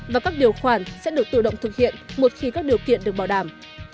và các điều khoản sẽ được tự động thực hiện một khi các điều kiện được bảo đảm